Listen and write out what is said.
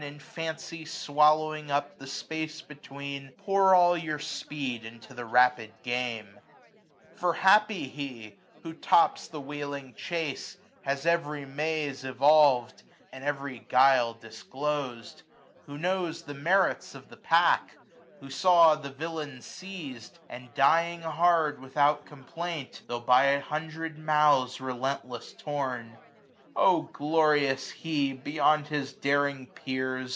In fancy swallowing up the space between, 485 Pour all your speed into the rapid game. For happy he ! who tops the wheeling chase ; Has every maze evolv'd, and every guile Disclos'd ; who knows the merits of the pack ; Who saw the villain seiz'd, and dying hard, 493 T 2 I40 AUTUMN. Without complaint, tho* by an hundred mouths Relentless torn : O glorious he, beyond His daring peers